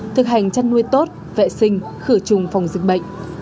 thực hành chăn nuôi tốt vệ sinh khử trùng phòng dịch bệnh